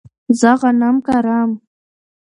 زه غنم کرم